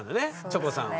チョコさんは。